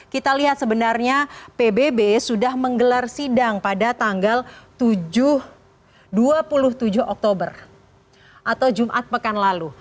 kita lihat sebenarnya pbb sudah menggelar sidang pada tanggal dua puluh tujuh oktober atau jumat pekan lalu